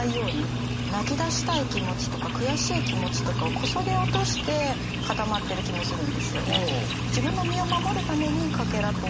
泣きだしたい気持ちとか悔しい気持ちとかをこそげ落としてかたまってる気もするんですよね。